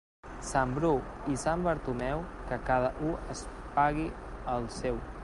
Sant Bru i sant Bartomeu, que cada u es pagui el seu.